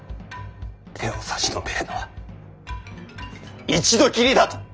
手を差し伸べるのは一度きりだと！